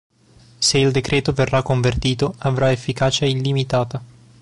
Se il decreto verrà convertito avrà efficacia illimitata.